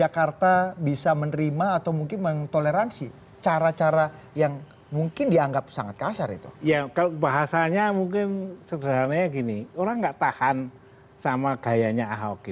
karena nggak banjir misalnya